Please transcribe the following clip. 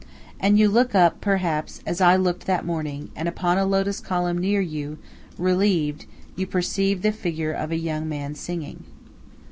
And you look up, perhaps, as I looked that morning, and upon a lotus column near you, relieved, you perceive the figure of a young man singing.